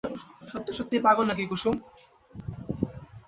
সত্য সত্যই পাগল নাকি কুসুম?